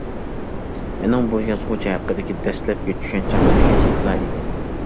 مېنىڭ بۇ يازغۇچى ھەققىدىكى دەسلەپكى چۈشەنچەم مۇشۇنچىلىكلا ئىدى.